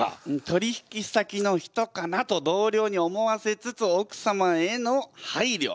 「取引先の人かな？」と同僚に思わせつつ奥様への配慮。